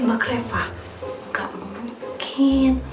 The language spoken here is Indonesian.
remak refah gak mungkin